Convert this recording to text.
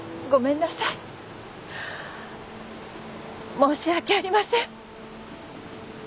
申し訳ありません。